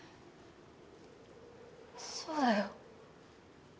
そうだよ。